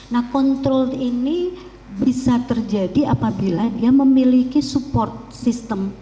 nah kontrol ini bisa terjadi apabila dia memiliki support system